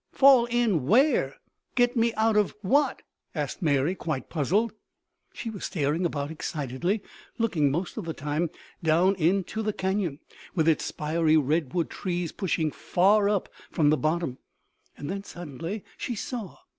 "Fall in where? Get me out of what?" asked Mary, quite puzzled. She was staring about excitedly, looking most of the time down into the cañon with its spiry redwood trees pushing far up from the bottom. And then suddenly she saw.